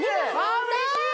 あうれしい！